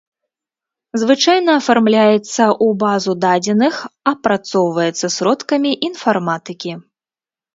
Звычайна афармляецца ў базу дадзеных, апрацоўваецца сродкамі інфарматыкі.